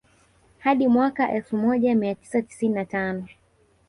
Hadi mwaka elfu moja mia tisa tisini na Tano